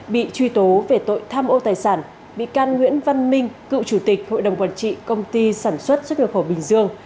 bị truy tố về tội tham ô tài sản bị can nguyễn văn minh cựu chủ tịch hội đồng quản trị công ty sản xuất xuất nhập khẩu bình dương